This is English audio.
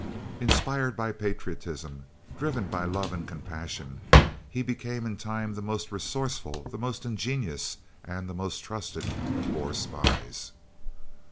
Inspired by patriotism, driven by love and compassion, he became in time the most resourceful, the most ingenious, and the most trusted of Boer spies.